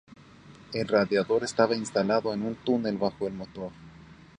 El radiador estaba instalado en un túnel bajo el motor.